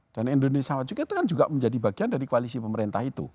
dan indonesia maju kita kan juga menjadi bagian dari koalisi pemerintah itu